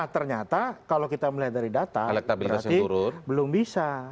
ternyata kalau kita melihat dari data berarti belum bisa